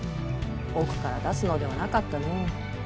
奥から出すのではなかったの。